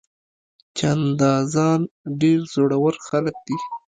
چاپندازان ډېر زړور خلک وي.